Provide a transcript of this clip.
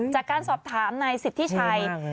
จากการสอบถามนายสิทธิชัย